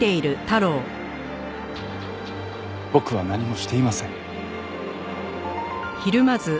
僕は何もしていません。